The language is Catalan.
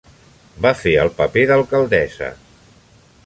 Va fer el paper d'alcaldessa.